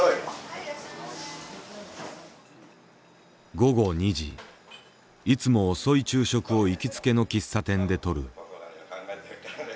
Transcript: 午後２時いつも遅い昼食を行きつけの喫茶店でとる。